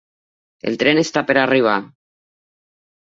El tren està per arribar.